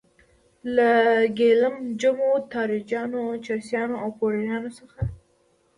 له ګیلم جمو، تاراجیانو، چرسیانو او پوډریانو څخه.